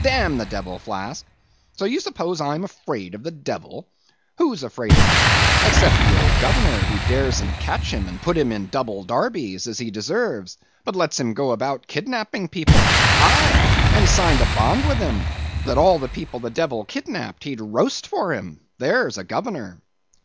Damn the devil, Flask; so you suppose I'm afraid of the devil? Who's afraid of him, except the old governor who daresn't catch him and put him in double darbies, as he deserves, but lets him go about kidnapping people; aye, and signed a bond with him, that all the people the devil kidnapped, he'd roast for him? There's a governor!"